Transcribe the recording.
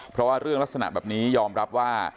เพราะว่าเรื่องลักษณะแบบนี้ยอมรับว่า